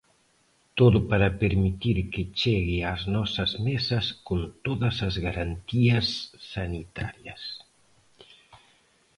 Todo para permitir que chegue ás nosas mesas con todas as garantías sanitarias.